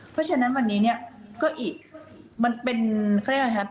เพราะฉะนั้นวันนี้เนี่ยก็อีกมันเป็นเขาเรียกอะไรครับ